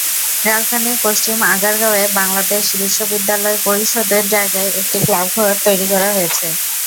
রাজধানীর পশ্চিম আগারগাঁওয়ে বাংলাদেশ বিশ্ববিদ্যালয় পরিষদের জায়গায় একটি ক্লাবঘর তৈরি করা হয়েছে।